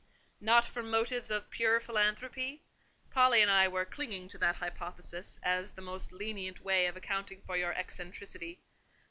"Not then from motives of pure philanthropy? Polly and I were clinging to that hypothesis as the most lenient way of accounting for your eccentricity."